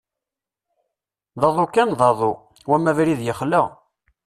D aḍu kan d aḍu, wama abrid yexla.